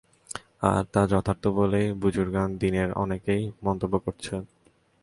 আর তা যথার্থই বলে বুযুর্গানে দীনের অনেকেই মন্তব্য করেছেন।